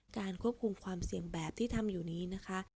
การควบคุมความเสี่ยงแบบที่ทำอยู่นี้นะคะ